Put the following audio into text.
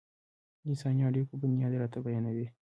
د انساني اړيکو بنياد راته بيانوي.